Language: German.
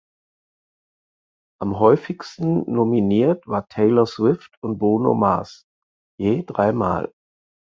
Am Häufigsten nominiert war Taylor Swift und Bruno Mars (je dreimal).